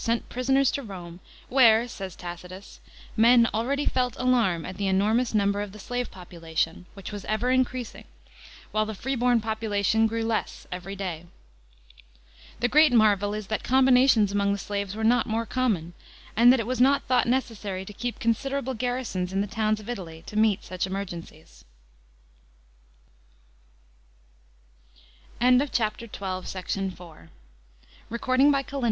187 sent prisoners to Borne, where, says Tacitus, "men already felt alarm at the enormous number of the slave population, which was ever increasing, while the free born population grew less every day." The great marvel is that combinations among the slaves were not more common, and that it was not thought necessary to keep considerable garrison* in the towoi of Italy to meet such View ot Brundusmm, L'arthiau Warriors, from Trajan's Column.